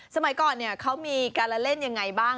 สมัยก่อนเนี่ยเขามีการเล่นยังไงบ้าง